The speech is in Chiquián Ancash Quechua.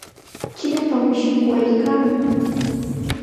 Chirapam shikwaykaamun.